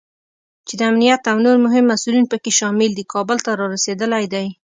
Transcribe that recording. چې د امنیت او نور مهم مسوولین پکې شامل دي، کابل ته رارسېدلی دی